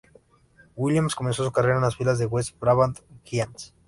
Williams comenzó su carrera en las filas del West-Brabant Giants.